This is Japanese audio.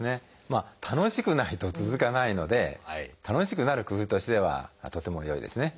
まあ楽しくないと続かないので楽しくなる工夫としてはとても良いですね。